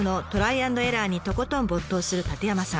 アンドエラーにとことん没頭する舘山さん。